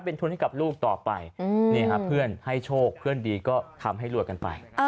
เป็นทุนให้กับลูกต่อไปเพื่อนให้โชคเพื่อนดีก็ทำให้รวยกันไป